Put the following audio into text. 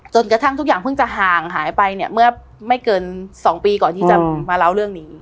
จนกระทั่งทุกอย่างเพิ่งจะห่างหายไปเนี่ยเมื่อไม่เกิน๒ปีก่อนที่จะมาเล่าเรื่องนี้